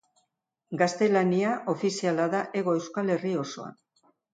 Gaztelania ofiziala da Hego Euskal Herri osoan.